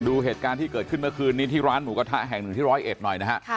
ดูเหตุการณ์ที่เกิดขึ้นเมื่อคืนนี้ที่ร้านหมูกระทะแห่งหนึ่งที่ร้อยเอ็ดหน่อยนะฮะ